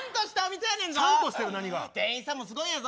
店員さんもすごいんやぞ。